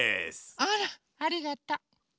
あらありがとう！